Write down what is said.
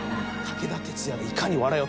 武田鉄矢史。